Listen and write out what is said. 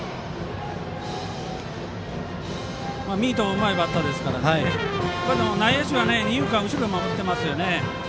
ミートもうまいバッターですからただ、内野手は二遊間後ろを守っていますよね。